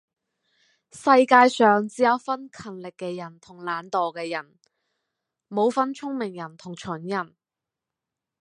世界上只有分勤力嘅人同懶惰嘅人，冇分聰明人同蠢人